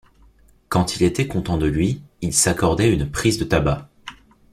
Quand il était content de lui, il s’accordait une prise de tabac.